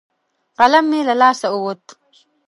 قلم مې له لاسه ووت.